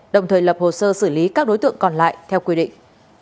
đồng thời lập hồ sơ xử lý các đối tượng còn lại theo quy định